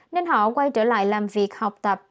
nên họ quay trở lại làm việc học tập